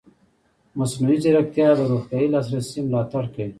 مصنوعي ځیرکتیا د روغتیايي لاسرسي ملاتړ کوي.